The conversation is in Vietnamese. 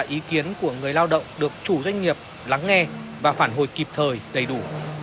ý kiến của người lao động được chủ doanh nghiệp lắng nghe và phản hồi kịp thời đầy đủ